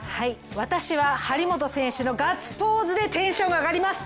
私は張本選手のガッツポーズでテンションが上がります！